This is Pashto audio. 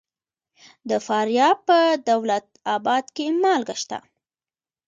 د فاریاب په دولت اباد کې مالګه شته.